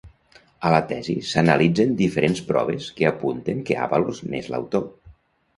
A la tesi s'analitzen diferents proves que apunten que Àvalos n'és l'autor.